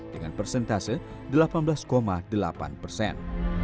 dengan persentase delapan belas delapan persen